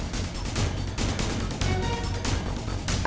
aksi tabrak lari itu menyebabkan penyakit